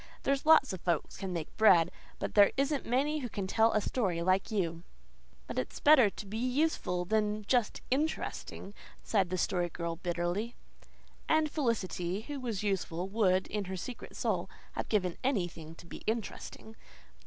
There's lots of folks can make bread. But there isn't many who can tell a story like you." "But it's better to be useful than just interesting," sighed the Story Girl bitterly. And Felicity, who was useful, would, in her secret soul, have given anything to be interesting.